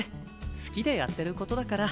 好きでやってる事だから。